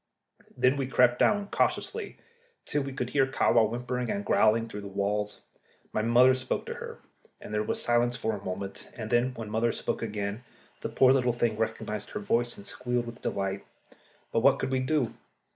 Then we crept down cautiously till we could hear Kahwa whimpering and growling through the walls. My mother spoke to her, and there was silence for a moment, and then, when mother spoke again, the poor little thing recognised her voice and squealed with delight. But what could we do?